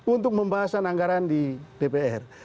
untuk pembahasan anggaran di dpr